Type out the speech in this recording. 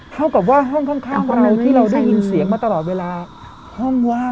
เท่ากับว่าห้องข้างเราที่เราได้ยินเสียงมาตลอดเวลาห้องว่าง